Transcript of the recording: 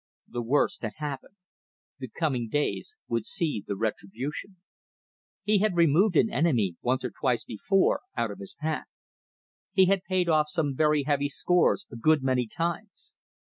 The worst had happened. The coming days would see the retribution. He had removed an enemy once or twice before, out of his path; he had paid off some very heavy scores a good many times.